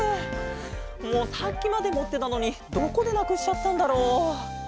もうさっきまでもってたのにどこでなくしちゃったんだろう？